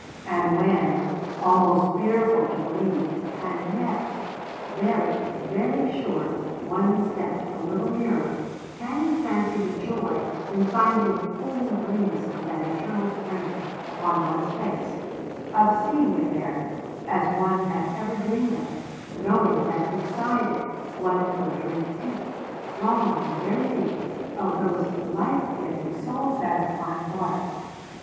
And when, almost fearful to believe, and yet very, very sure, one stepped a little nearer, can you fancy the joy in finding the cooling breeze from that eternal spring upon one's face, of seeing it there as one had ever dreamed of it, knowing that beside it one could drink deep long and very deep of those life giving, soul satisfying waters?